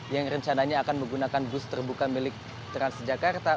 yang rencananya akan menggunakan bus terbuka milik transjakarta